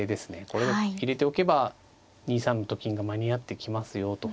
これを入れておけば２三のと金が間に合ってきますよと。